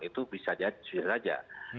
itu bisa saja